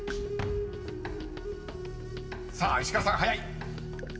［さあ石川さん早い］